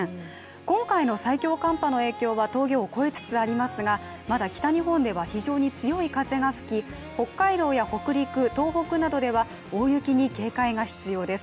今回の最強寒波の影響は峠を越えつつありますがまだ北日本では非常に強い風が吹き、北海道や北陸、東北などでは大雪に警戒が必要です。